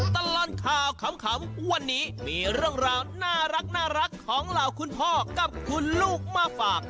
ตลอดข่าวขำวันนี้มีเรื่องราวน่ารักของเหล่าคุณพ่อกับคุณลูกมาฝาก